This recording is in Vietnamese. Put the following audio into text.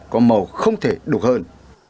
có màu không thể đủ hơn